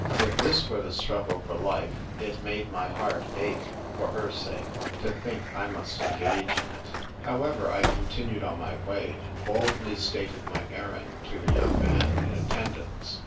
If this were the struggle for life, it made my heart ache (for her sake) to think I must engage in it. However, I con tinued on my way, and boldly stated my errand to the young man in attendance.